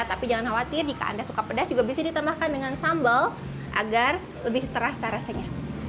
tapi jangan khawatir jika anda suka pedas juga bisa ditambahkan dengan sambal agar lebih terasa rasanya